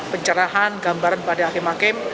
pencerahan gambaran pada hakim hakim